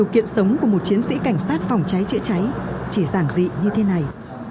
kiện sống của một chiến sĩ cảnh sát phòng cháy chữa cháy chỉ giản dị như thế này